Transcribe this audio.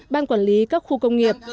ban quản lý các khu công nghiệp